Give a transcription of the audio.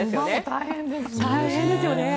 大変ですよね。